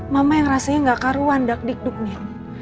mama yang rasanya gak karuan dakdikduknya